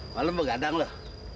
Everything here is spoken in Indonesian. malem begadang loh